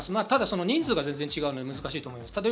ただ人数が全然違うので難しいと思います。